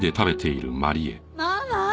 ママ！？